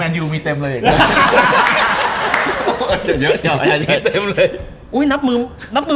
มีเต็มเลย